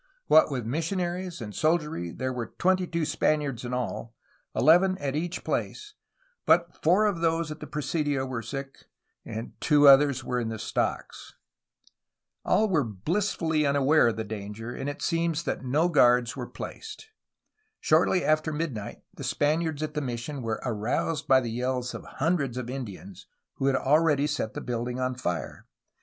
What with missionaries and soldiery there were twenty two Spaniards in all, eleven at each place, but four of those at the presidio were sick and two others were in the stocks. All were bhssfully unaware of the danger, and it seems even that no guards were placed. Shortly after midnight the Spaniards at the mission were aroused by the yells of hundreds of Indians, who had already set the building on fire.